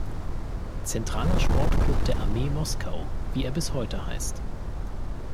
Zentraler Sportclub der Armee Moskau, wie er bis heute heißt.